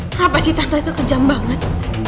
kenapa sih tanggal itu kejam banget